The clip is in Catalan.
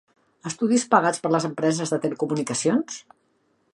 Estudis pagats per les empreses de telecomunicacions?